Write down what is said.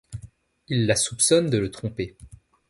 Il la soupçonne de le tromper...